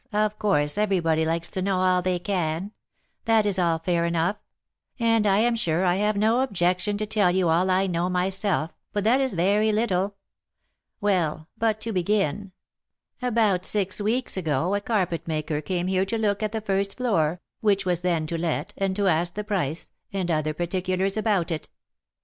Of course, everybody likes to know all they can; that is all fair enough; and I am sure I have no objection to tell you all I know myself, and that is but very little. Well, but to begin. About six weeks ago a carpet maker came here to look at the first floor, which was then to let, and to ask the price, and other particulars about it.